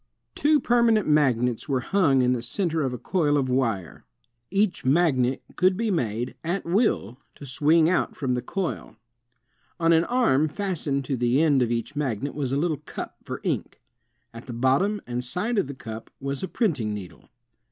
Two 212 INVENTIONS OF PRINTING AND COMMUNICATION permanent magnets were hung in the center of a coil of wire. Each magnet could be made, at will, to swing out from the coil. On an arm fastened to the end of each magnet was a little cup for ink. At the bottom and side of the cup was a printing needle.